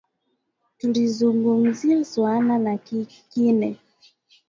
Tulizungumzia suala la kile